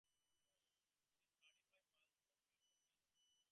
It is thirty-five miles northwest of Denver.